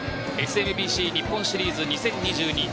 ＳＭＢＣ日本シリーズ２０２２第６戦。